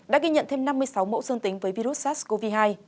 đã ghi nhận thêm năm mươi sáu mẫu dương tính với virus sars cov hai